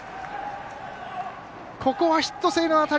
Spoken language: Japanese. ここはヒット性の当たり。